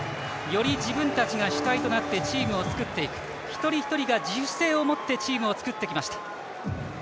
より自分たちが主体となってチームを作っていく、一人一人が自主性を持ってチームを作ってきました。